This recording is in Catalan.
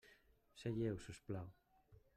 Seieu, si us plau.